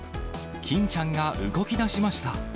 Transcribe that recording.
欽ちゃんが動きだしました。